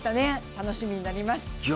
楽しみになります。